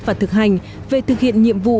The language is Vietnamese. và thực hành về thực hiện nhiệm vụ